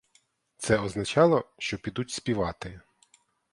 Це означало, що підуть співати.